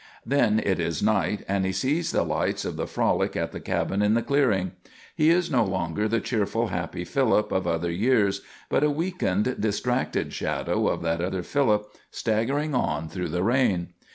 Then it is night, and he sees the lights of the frolic at the cabin in the clearing. He is no longer the cheerful, happy Philip of other years, but a weakened, distracted shadow of that other Philip staggering on through the rain.